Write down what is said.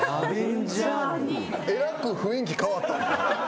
えらく雰囲気変わった。